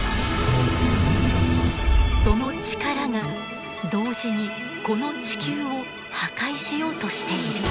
その力が同時にこの地球を破壊しようとしている。